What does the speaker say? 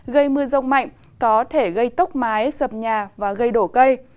gây mưa rông mạnh có thể gây tốc mái sập nhà và gây đổ cây